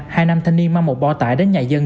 hai nam thanh niên mang một bò tải đến nhà dân